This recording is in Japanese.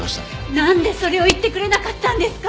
なんでそれを言ってくれなかったんですか！